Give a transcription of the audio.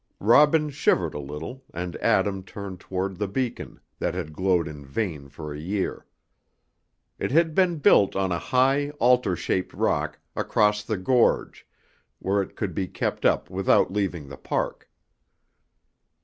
Robin shivered a little, and Adam turned toward the beacon, that had glowed in vain for a year. It had been built on a high, altar shaped rock, across the gorge, where it could be kept up without leaving the park.